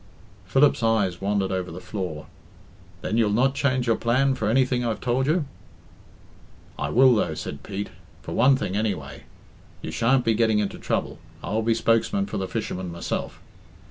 Philip's eyes wandered over the floor. "Then you'll not change your plan for anything I've told you?" "I will, though," said Pete, "for one thing, anyway. You shan't be getting into trouble I'll be spokesman for the fishermen myself.